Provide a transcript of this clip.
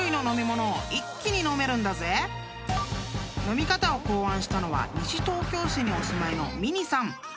［飲み方を考案したのは西東京市にお住まいの］